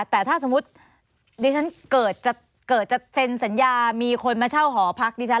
แต่ถ้าสมมุติดิฉันเกิดจะเกิดจะเซ็นสัญญามีคนมาเช่าหอพักดิฉัน